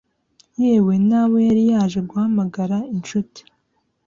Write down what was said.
yewe n'abo yari yaje guhamagara inshuti ....